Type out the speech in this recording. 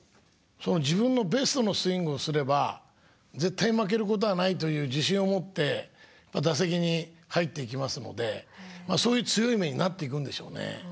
自分のベストのスイングをすれば絶対負けることはないという自信を持って打席に入っていきますのでそういう強い目になっていくんでしょうね。